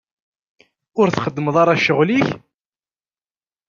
Ur txeddmeḍ ara ccɣel-ik?